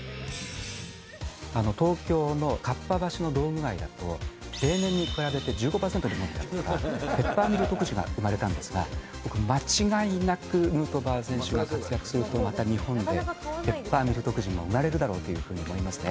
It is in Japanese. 東京のかっぱ橋の道具街だと、例年に比べて１５％増えたとか、ペッパーミル特需が生まれたんですが、間違いなくヌートバー選手が活躍すると、また日本でペッパーミル特需も生まれるだろうというふうに思いますね。